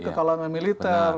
ke kalangan militer